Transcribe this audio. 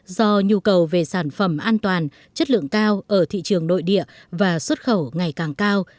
do nhu cầu về sản phẩm an toàn chất lượng cao ở thị trường nội địa và xuất khẩu ngày càng cao